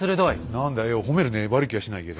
何だよ褒めるねえ悪い気はしないけど。